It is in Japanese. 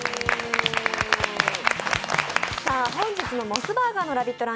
本日のモスバーガーのラヴィット！